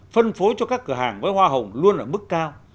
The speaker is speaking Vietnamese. phân phối cho các cửa hàng với hoa hồng luôn ở mức cao